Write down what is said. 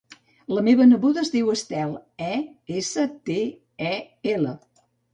La meva neboda es diu Estel: e essa te e ela